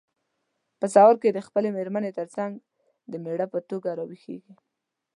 په سهار کې د خپلې مېرمن ترڅنګ د مېړه په توګه راویښیږي.